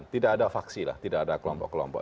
tidak ada faksi lah tidak ada kelompok kelompok